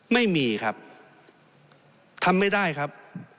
ไม่มีครับทำไม่ได้ครับ